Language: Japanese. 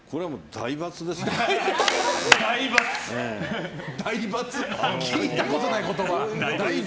大×、聞いたことない言葉。